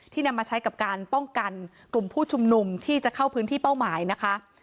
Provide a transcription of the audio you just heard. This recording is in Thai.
นำมาใช้กับการป้องกันกลุ่มผู้ชุมนุมที่จะเข้าพื้นที่เป้าหมายนะคะ